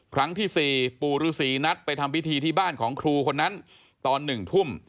ครั้งที่๔ปู่ฤษีนัดไปทำพิธีที่บ้านของครูคนนั้นตอน๑ทุ่ม